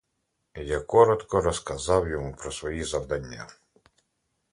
Я коротко розказав йому про свої завдання.